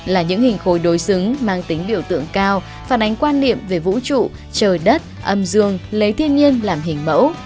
là những hình khối đối xứng mang tính biểu tượng cao phản ánh quan niệm về vũ trụ trời đất âm dương lấy thiên nhiên làm hình mẫu